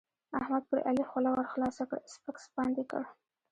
احمد پر علي خوله ورخلاصه کړه؛ سپک سپاند يې کړ.